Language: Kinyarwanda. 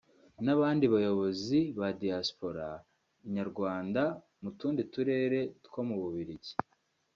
n’abandi bayobozi ba Diasopora nyarwanda mu tundi turere two mu Bubiligi